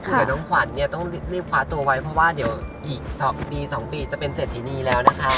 คุณขวัดนี่ต้องรีบคว้าตัวไว้เพราะว่าเดี๋ยวอีก๒ปีจะเป็นเสร็จธินีแล้วนะคะ